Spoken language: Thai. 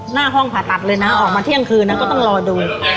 หน้าห้องผ่าตัดเลยนะออกมาเที่ยงคืนนะก็ต้องรอดู